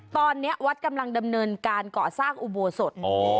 ตอนนี้วัดกำลังดำเนินการก่อสร้างอุโบสถ